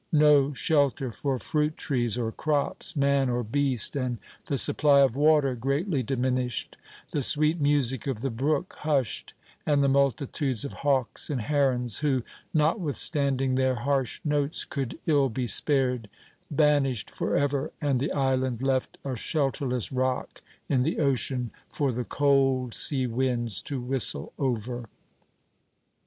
No shelter for fruit trees or crops, man or beast, and the supply of water greatly diminished; the sweet music of the brook hushed, and the multitudes of hawks and herons, who, notwithstanding their harsh notes, could ill be spared, banished forever, and the island left a shelterless rock in the ocean for the cold sea winds to whistle over.